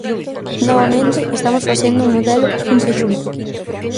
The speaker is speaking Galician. Novamente estamos facendo un modelo, un prexuízo.